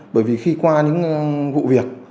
bởi vì khi qua những vụ việc